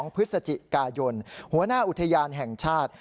พฤศจิกายนหัวหน้าอุทยานแห่งชาติ